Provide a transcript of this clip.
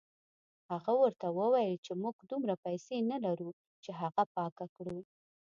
هغه ورته وویل چې موږ دومره پیسې نه لرو چې هغه پاکه کړو.